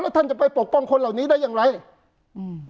ท่านจะไปปกป้องคนเหล่านี้ได้อย่างไรอืม